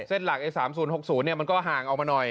หลัก๓๐๖๐มันก็ห่างออกมาหน่อย